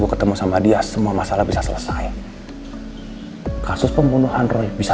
bu rosa itu mengalami tekanan yang luar biasa